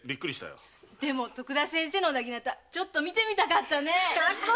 でも徳田先生の長刀ちょっと見てみたかった。